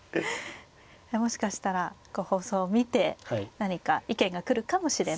もしかしたら放送を見て何か意見が来るかもしれないですね。